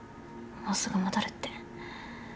もうすぐ戻るって。